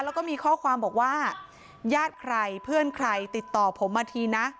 แล้วก็มีข้อความบอกว่าญาติใครเพื่อนใครติดต่อผมมาทีนะ